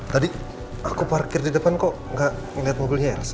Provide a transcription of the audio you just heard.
tadi aku parkir di depan kok gak ngeliat mobilnya ya